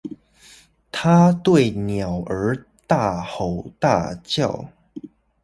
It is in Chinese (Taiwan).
他對鳥兒大吼大叫！